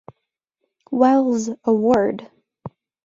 Wells Award.